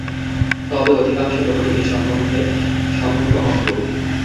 তবে অধিকাংশ লোকই এ-সম্বন্ধে সম্পূর্ণ অজ্ঞ।